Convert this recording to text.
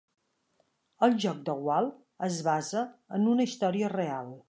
El joc de Wall es basa en una història real.